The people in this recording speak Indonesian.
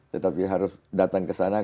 tetapi harus datang kesana